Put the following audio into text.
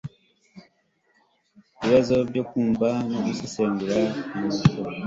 ibibazo byo kumva no gusesenguraumwandiko